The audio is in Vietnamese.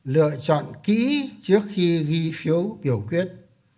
lựa chọn kỹ trước khi ghi phiếu biểu quyết